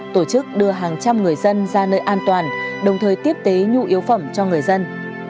tổ chức đưa hàng trăm người dân ra nơi an toàn đồng thời tiếp tế nhu yếu phẩm cho người dân